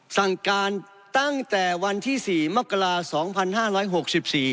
สั่งการตั้งแต่วันที่๔มกราศ๒๕๖๔